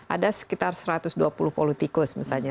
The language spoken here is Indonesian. ada sekitar satu ratus dua puluh politikus misalnya